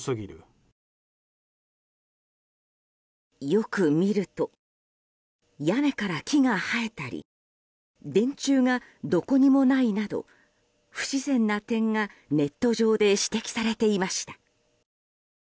よく見ると屋根から木が生えたり電柱がどこにもないなど不自然な点がネット上で指摘されていました。